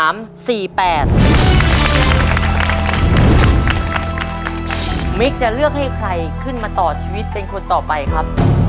มิกจะเลือกให้ใครขึ้นมาต่อชีวิตเป็นคนต่อไปครับ